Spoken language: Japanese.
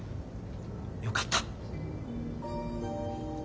よかった！